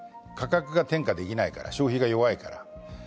価格が転嫁できないから、消費が弱いから。